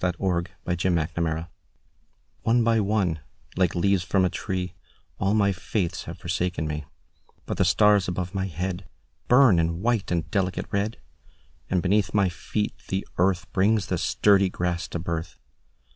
Leaves By Sara Teasdale ONE by one, like leaves from a tree, All my faiths have forsaken me; But the stars above my headBurn in white and delicate red, And beneath my feet the earthBrings the sturdy grass to birth.